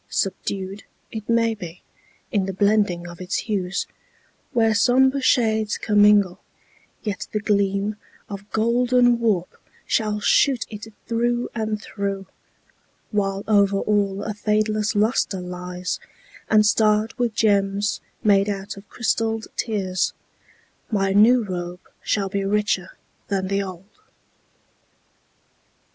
Subdued, It may be, in the blending of its hues, Where somber shades commingle, yet the gleam Of golden warp shall shoot it through and through, While over all a fadeless luster lies, And starred with gems made out of crystalled tears, My new robe shall be richer than the old.